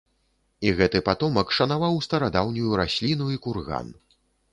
І гэты патомак шанаваў старадаўнюю расліну і курган.